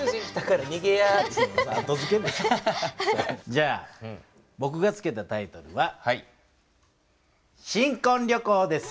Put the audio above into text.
じゃあぼくが付けたタイトルは「新こん旅行」です。